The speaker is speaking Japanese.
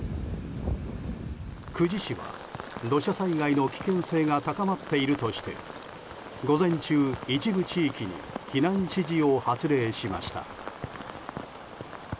久慈市は土砂災害の危険性が高まっているとして午前中、一部地域に避難指示を発令しました。